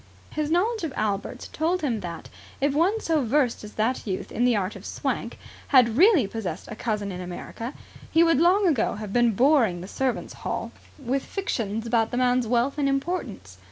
His knowledge of Albert told him that, if one so versed as that youth in the art of Swank had really possessed a cousin in America, he would long ago have been boring the servants' hall with fictions about the man's wealth and importance.